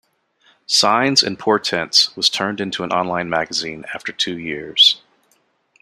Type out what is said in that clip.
"Signs and Portents" was turned into an online magazine after two years.